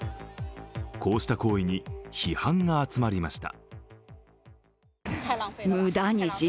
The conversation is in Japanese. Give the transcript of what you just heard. こうした行為に批判が集まりました。